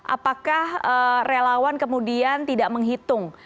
apakah relawan kemudian tidak menghitung